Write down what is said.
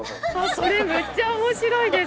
それむっちゃ面白いです。